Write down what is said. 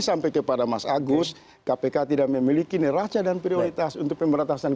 sampai kepada mas agus kpk tidak memiliki neraca dan prioritas untuk pemberantasan